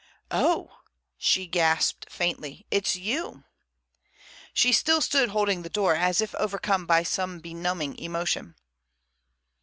"Oh!" she gasped faintly. "It's you!" She still stood holding the door, as if overcome by some benumbing emotion.